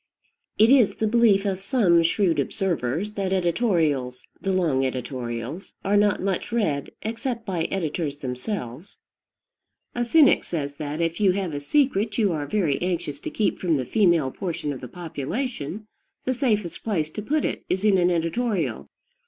It is the belief of some shrewd observers that editorials, the long editorials, are not much read, except by editors themselves. A cynic says that, if you have a secret you are very anxious to keep from the female portion of the population, the safest place to put it is in an editorial.